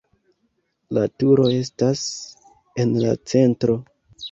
La turo estas en la centro.